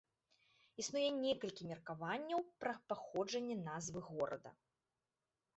Існуе некалькі меркаванняў пра паходжанне назвы горада.